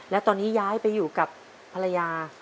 และตอนนี้ย้ายไปอยู่กับภรรยา